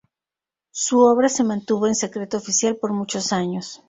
Su obra se mantuvo en secreto oficial por muchos años.